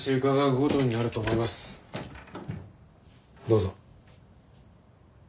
どうぞ。